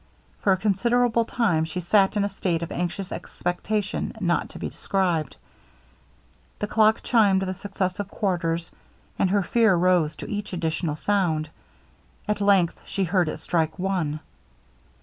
For a considerable time she sat in a state of anxious expectation not to be described. The clock chimed the successive quarters; and her fear rose to each additional sound. At length she heard it strike one.